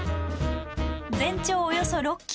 全長およそ６ｋｍ。